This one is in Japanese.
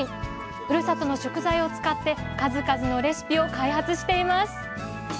ふるさとの食材を使って数々のレシピを開発しています